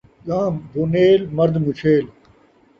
ڳان٘ھ بُنیل ، مرد مُچھیل